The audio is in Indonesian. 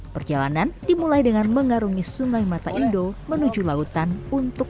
perjalanan dimulai dengan mengarungi sungai mata indo menuju lautan untuk